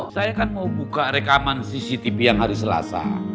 saya kan mau buka rekaman cctv yang hari selasa